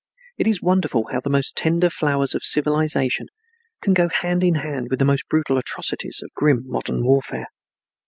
It is wonderful how the most tender flowers of civilization can go hand in hand with the most brutal atrocities of grim modern warfare.